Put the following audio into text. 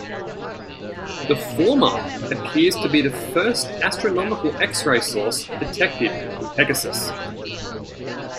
The former appears to be the first astronomical X-ray source detected in Pegasus.